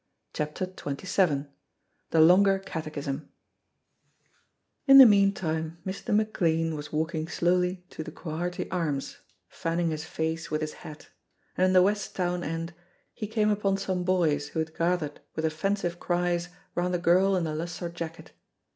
CHAPTER XXVII THE LONGER CATECHISM In the meantime Mr. McLean was walking slowly to the Quharity Arms, fanning his face with his hat, and in the West town end he came upon some boys who had gathered with offensive cries round a girl in a lustre jacket.